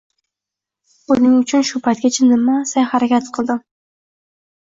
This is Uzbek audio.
Buning uchun shu paytgacha nima sa’y-harakat qildim?